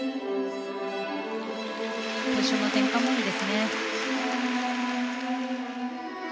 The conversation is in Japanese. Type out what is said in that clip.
ポジションの転換もいいですね。